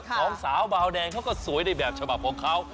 สองสาวบาวแดงเขาก็สวยในแบบฉบับของเขา